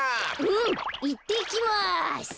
うんいってきます！